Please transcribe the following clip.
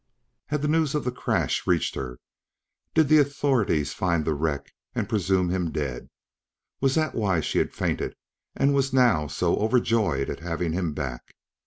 Had news of the crash reached her? Did the authorities find the wreck and presume him dead? Was that why she had fainted and was now so overjoyed at having him back?